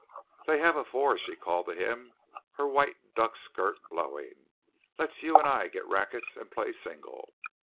"They have a four," she called to him, her white duck skirt blowing. "Let's you and I get rackets and play single."